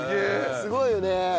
すごいよね。